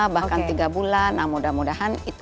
bahkan tiga bulan nah mudah mudahan itu